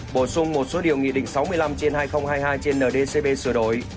bổ sung một số điều nghị định sáu mươi năm trên hai nghìn hai mươi hai trên ndcp sửa đổi